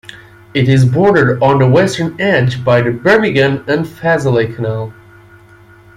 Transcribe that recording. It is bordered on the western edge by the Birmingham and Fazeley Canal.